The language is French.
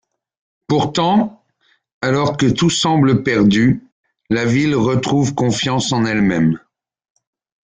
Pourtant, alors que tout semble perdu, la ville retrouve confiance en elle-même.